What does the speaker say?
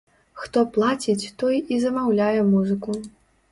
Хто плаціць, той і замаўляе музыку.